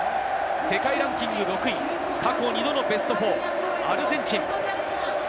世界ランキング６位、過去２度のベスト４、アルゼンチン。